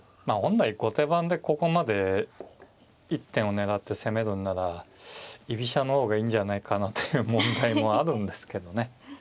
まあ本来後手番でここまで一点を狙って攻めるんなら居飛車の方がいいんじゃないかなという問題もあるんですけどね。